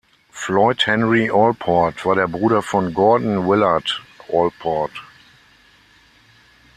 Floyd Henry Allport war der Bruder von Gordon Willard Allport.